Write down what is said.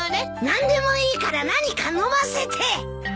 何でもいいから何か飲ませて！